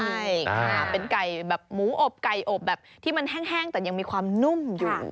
ใช่ค่ะเป็นไก่แบบหมูอบไก่อบแบบที่มันแห้งแต่ยังมีความนุ่มอยู่